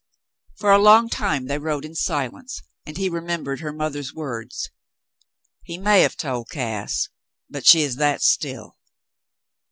For a long time they rode in silence, and he remembered her mother's words, "He may have told Cass, but she is that still."